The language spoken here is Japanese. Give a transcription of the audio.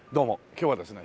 今日はですね